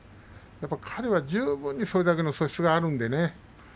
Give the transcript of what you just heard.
彼は十分にそれだけの素質があるのでね。